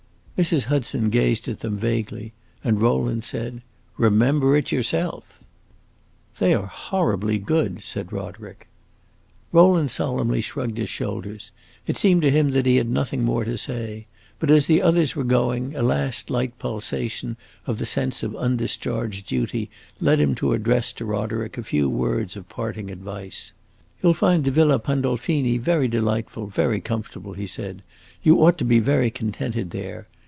Mrs. Hudson gazed at them vaguely, and Rowland said, "Remember it yourself!" "They are horribly good!" said Roderick. Rowland solemnly shrugged his shoulders; it seemed to him that he had nothing more to say. But as the others were going, a last light pulsation of the sense of undischarged duty led him to address to Roderick a few words of parting advice. "You 'll find the Villa Pandolfini very delightful, very comfortable," he said. "You ought to be very contented there.